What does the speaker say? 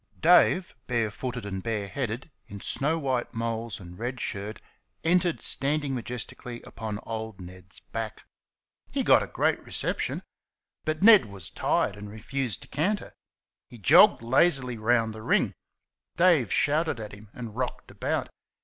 Dave, bare footed and bare headed, in snow white moles and red shirt, entered standing majestically upon old Ned's back. He got a great reception. But Ned was tired and refused to canter. He jogged lazily round the ring. Dave shouted at him and rocked about.